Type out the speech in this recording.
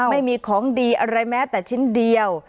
ไม่มีของดีอะไรแม้แต่ชิ้นเดียว